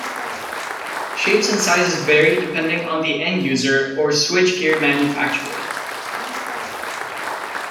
Shapes and sizes vary depending on the end user or switch gear manufacturer.